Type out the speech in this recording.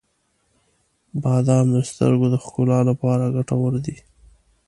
• بادام د سترګو د ښکلا لپاره ګټور دي.